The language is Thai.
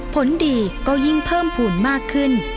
ผลดีก็ยิ่งเพิ่มภูมิมากขึ้น